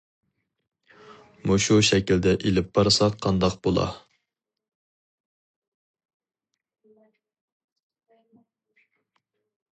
مۇشۇ شەكىلدە ئېلىپ بارساق قانداق بۇلا!